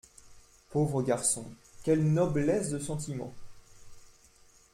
Pauvre garçon ! quelle noblesse de sentiments !